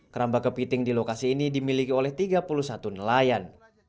keramba kepiting di lokasi ini dimiliki oleh tiga puluh satu nelayan